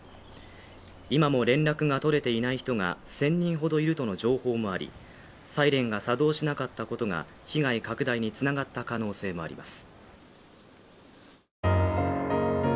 今も連絡が取れていない人が１０００人ほどいるとの情報もありサイレンが作動しなかったことが被害拡大につながった可能性もあります